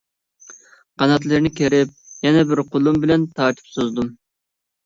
قاناتلىرىنى كېرىپ، يەنە بىر قولۇم بىلەن تارتىپ سوزدۇم.